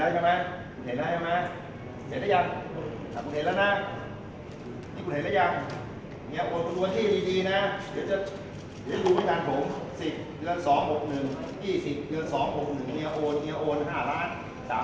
เจอแค่พี่ดิมมาและค่าสร้าง